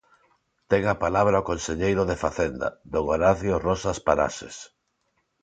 Ten a palabra o conselleiro de Facenda, don Horacio Roxas Paraxes.